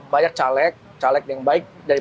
banyak caleg caleg yang baik dari